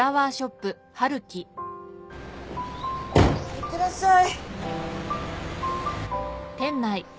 いってらっしゃい。